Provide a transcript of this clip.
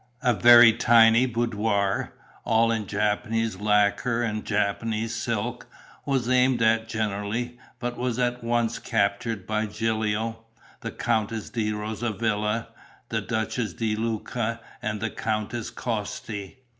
A very tiny boudoir, all in Japanese lacquer and Japanese silk, was aimed at generally, but was at once captured by Gilio, the Countess di Rosavilla, the Duchess di Luca and Countess Costi.